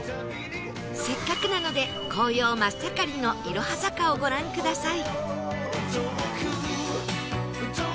せっかくなので紅葉真っ盛りのいろは坂をご覧ください